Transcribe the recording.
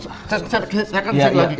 saya kan kesini lagi kok